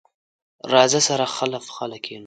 راځه، سره خله په خله کېنو.